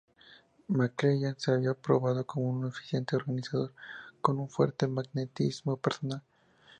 McClellan se había probado como un eficiente organizador con un fuerte magnetismo personal.